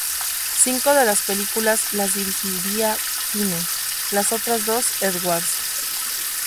Cinco de las películas, las dirigiría Quine; las otras dos, Edwards.